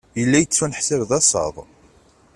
Yella yettuneḥsab d asaḍ.